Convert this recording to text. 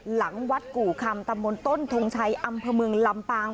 หลังวัดกู่คำตำบนต้นถงชัยอำผมือลัมปาง